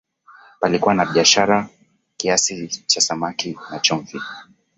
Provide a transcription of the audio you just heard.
palikuwa na biashara kiasi cha samaki na chumvi